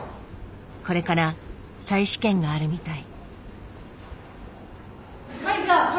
これから再試験があるみたい。